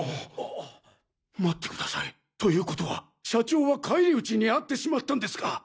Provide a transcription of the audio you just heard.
待ってください。ということは社長は返り討ちにあってしまったんですか？